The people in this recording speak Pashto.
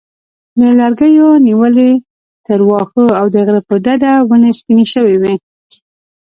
له لرګیو نیولې تر واښو او د غره په ډډه ونې سپینې شوې وې.